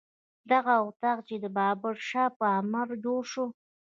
دغه طاق چې د بابر شاه په امر جوړ شو.